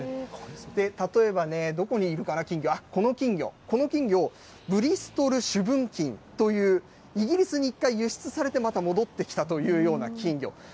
例えば、どこにいるかな、金魚、この金魚、ブリストル朱文金というイギリスに１回輸出されてまた戻ってきたというような金魚。